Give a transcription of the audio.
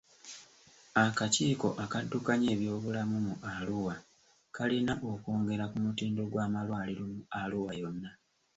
Akakiiko akaddukanya ebyobulamu mu Arua kalina okwongera ku mutindo gw'amalwaliro mu Arua yonna.